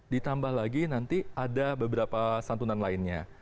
ditambah lagi nanti ada beberapa santunan lainnya